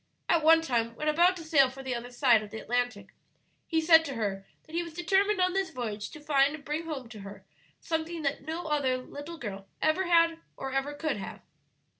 At one time, when about to sail for the other side of the Atlantic, he said to her that he was determined on this voyage to find and bring home to her something that no other little girl ever had or ever could have."